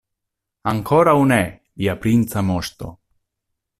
Ankoraŭ ne, via princa moŝto.